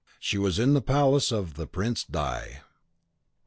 She was in the palace of the Prince di